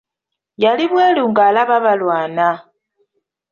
Yali bweru nga alaba balwana.